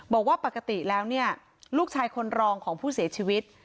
บอกว่าปกติแล้วเนี่ยลูกชายคนรองของผู้เสียชีวิต